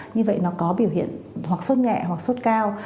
như vậy nó có biểu hiện hoặc sốt nhẹ hoặc sốt cao